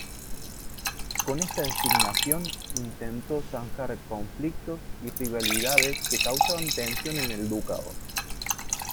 Con esta designación intentó zanjar conflictos y rivalidades que causaban tensión en el ducado.